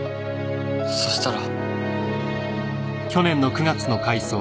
そしたら。